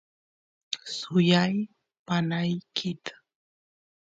suyay panaykit